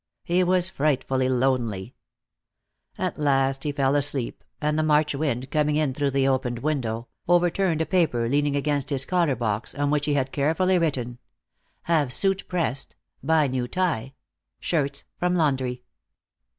He was frightfully lonely. At last he fell asleep, and the March wind, coming in through the open window, overturned a paper leaning against his collar box, on which he had carefully written: Have suit pressed. Buy new tie. Shirts from laundry.